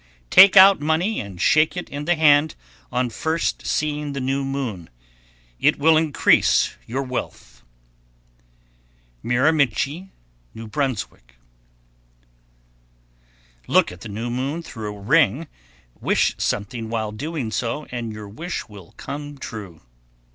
_ 1101. Take out money and shake it in the hand on first seeing the new moon; it will increase your wealth. Miramichi, N.B. 1102. Look at the new moon through a ring, wish something while doing so, and your wish will come true.